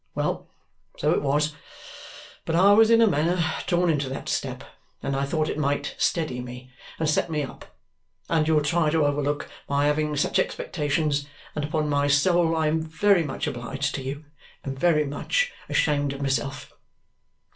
Well, so it was. But I was in a manner drawn into that step, and I thought it might steady me, and set me up, and you'll try to overlook my having such expectations, and upon my soul, I am very much obliged to you, and very much ashamed of myself."